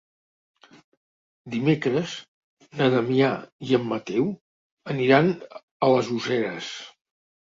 Dimecres na Damià i en Mateu aniran a les Useres.